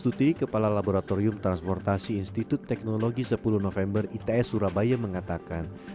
tuti kepala laboratorium transportasi institut teknologi sepuluh november its surabaya mengatakan